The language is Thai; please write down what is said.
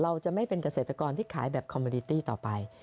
เราจะไม่เป็นเกษตรกรที่ขายแบบคอมเมอร์ดิตี้ต่อไป